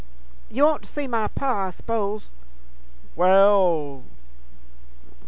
'You want to see my Pa, I s'pose?' 'Wal ...